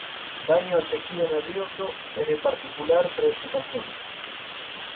Daño al tejido nervioso es de particular preocupación.